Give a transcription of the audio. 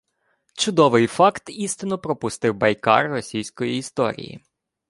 Чудовий факт-істину пропустив «байкар російської історії»